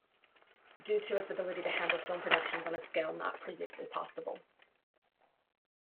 Due to its ability to handle film productions on a scale not previously possible.